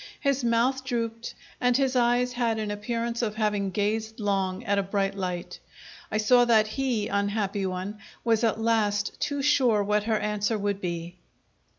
His mouth drooped, and his eyes had an appearance of having gazed long at a bright light. I saw that he, unhappy one, was at last too sure what her answer would be.